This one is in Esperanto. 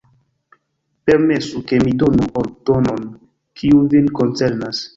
Permesu, ke mi donu ordonon, kiu vin koncernas.